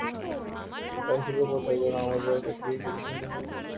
এই কারুশিল্পের প্রচারের জন্য, আহমেদাবাদে একটি প্রশিক্ষণ ইনস্টিটিউট প্রতিষ্ঠিত হয়েছে।